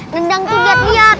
nendang tuh lihat lihat